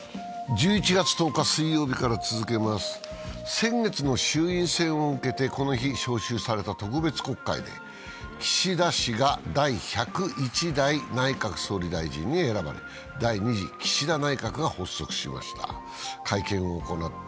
先月の衆院選を受けてこの日、召集された特別国会で岸田氏が第１０１代内閣総理大臣に選ばれ第２次岸田内閣が発足しました。